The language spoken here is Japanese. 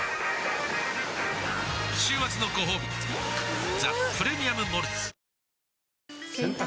週末のごほうび「ザ・プレミアム・モルツ」くーーーーーっ